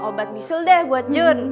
obat bisul deh buat jun